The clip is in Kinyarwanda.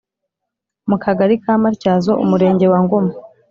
Mu kagali ka matyazo umurenge wa ngoma